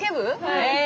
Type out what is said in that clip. へえ。